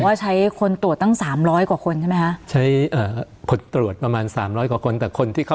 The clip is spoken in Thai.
บอกว่าใช้คนตรวจตั้งแต่วันแรกจนถึงตรวจเสร็จประมาณเดือนครึ่งใช้เวลา